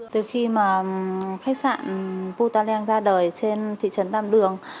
từ khi mà khách sạn puta leng ra đời trên thị trấn tâm đường